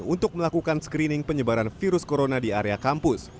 untuk melakukan screening penyebaran virus corona di area kampus